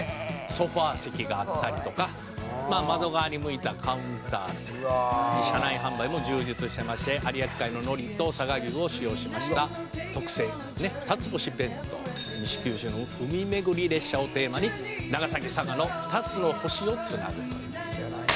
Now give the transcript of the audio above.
ソファ席があったりとかまあ窓側に向いたカウンター席」「車内販売も充実してまして有明海の海苔と佐賀牛を使用しました特製ふたつ星弁当」「西九州の海めぐり列車をテーマに長崎佐賀の２つの星をつなぐと」